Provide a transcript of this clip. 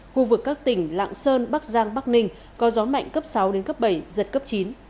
khu vực các tỉnh lạng sơn bắc giang bắc ninh có gió mạnh cấp sáu bảy giật cấp chín